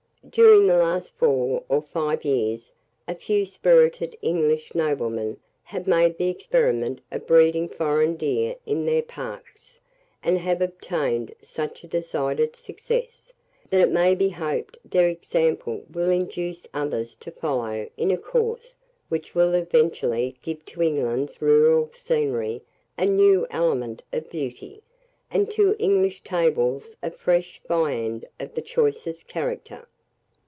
During the last four or live years a few spirited English noblemen have made the experiment of breeding foreign deer in their parks, and have obtained such a decided success, that it may be hoped their example will induce others to follow in a course which will eventually give to England's rural scenery a new element of beauty, and to English tables a fresh viand of the choicest character.